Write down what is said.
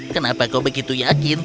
kenapa kau begitu yakin